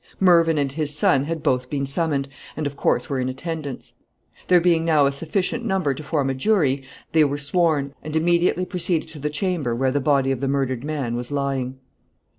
Mervyn and his son had both been summoned, and, of course, were in attendance. There being now a sufficient number to form a jury, they were sworn, and immediately proceeded to the chamber where the body of the murdered man was lying.